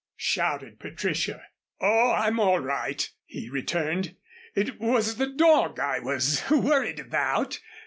shouted Patricia. "Oh, I'm all right," he returned. "It was the dog I was worried about."